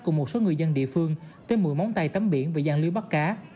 cùng một số người dân địa phương tới mũi móng tây tắm biển và gian lưới bắt cá